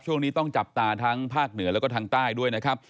ช่วงนี้ต้องจับตาทั้งภาคเหนือแล้วก็ทางใต้ด้วยนะครับ